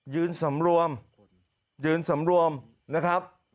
ยืนสำรวมยืนสำรวมนะครับ